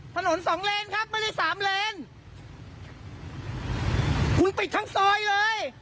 สองเลนครับไม่ได้สามเลนคุณปิดทั้งซอยเลย